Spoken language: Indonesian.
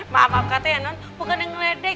maaf maaf kata ya non bukan yang meledek